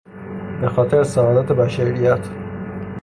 به خاطر سعادت بشریت